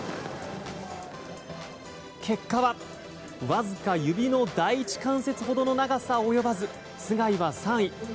結果は、わずか指の第１関節ほどの長さ及ばず須貝は３位。